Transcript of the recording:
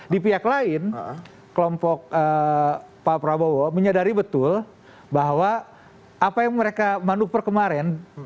di pihak lain kelompok pak prabowo menyadari betul bahwa apa yang mereka manuver kemarin